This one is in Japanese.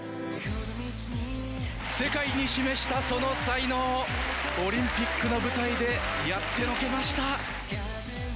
世界に示したその才能、オリンピックの舞台でやってのけました。